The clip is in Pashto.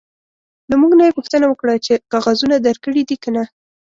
له موږ نه یې پوښتنه وکړه چې کاغذونه درکړي دي که نه.